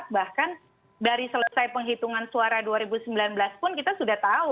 bahkan dari selesai penghitungan suara dua ribu sembilan belas pun kita sudah tahu